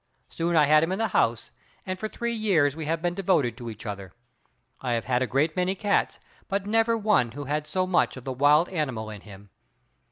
Soon I had him in the house and for three years we have been devoted to each other. I have had a great many cats, but never one who had so much of the wild animal in him.